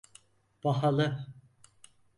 Pahalı…